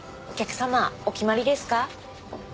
お客様お決まりですか？